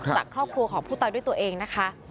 จากครอบครัวของผู้ตายด้วยตัวเองนะคะ